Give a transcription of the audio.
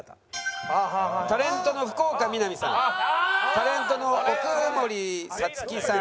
タレントの奥森皐月さん。